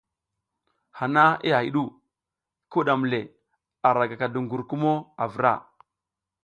Hana i hay ɗu, ki wuɗam le, ara gaka duƞgur kumo a vra.